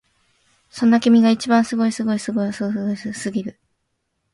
そんな君が一番すごいすごいよすごすぎる！